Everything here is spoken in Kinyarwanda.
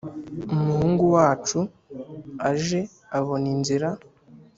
umuhungu wacu aje abona inzira